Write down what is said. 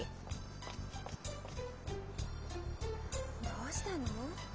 どうしたの？